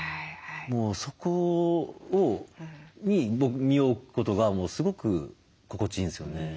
もうそこに身を置くことがすごく心地いいんですよね。